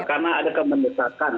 karena ada kemendeksaan